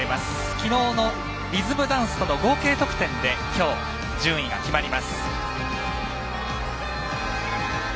きのうのリズムダンスとの合計得点できょう、順位が決まります。